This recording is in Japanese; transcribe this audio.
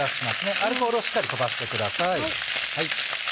アルコールをしっかり飛ばしてください。